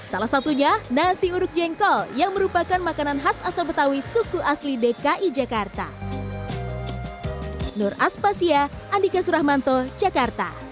salah satunya nasi uduk jengkol yang merupakan makanan khas asal betawi suku asli dki jakarta